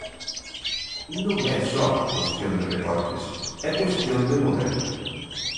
Non é só cuestión de recortes, é cuestión de modelo.